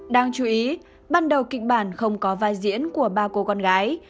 đáng chú ý ban đầu kịch bản không có vai diễn của ba cô con gái